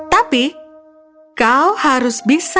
tapi kau harus bisa